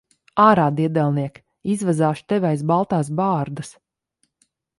Ārā, diedelniek! Izvazāšu tevi aiz baltās bārdas.